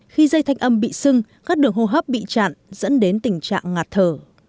khi dây thanh âm bị sưng các đường hô hấp bị chặn dẫn đến tình trạng ngạt thở